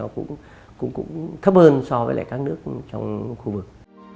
cũng thấp hơn so với các nước trong khu vực